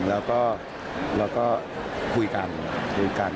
แล้วก็คุยกัน